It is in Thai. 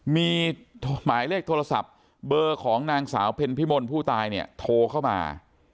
มีหมายเลขโทรศัพท์เบอร์ของนางสาวเพ็ญพิมลผู้ตายเนี่ยโทรเข้ามา